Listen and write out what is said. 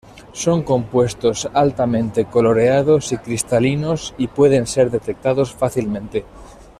Son compuestos altamente coloreados y cristalinos, y pueden ser detectados fácilmente.